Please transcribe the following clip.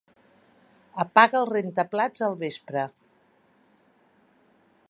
Apaga el rentaplats al vespre.